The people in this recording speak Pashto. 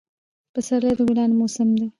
پسرلی د ګلانو موسم دی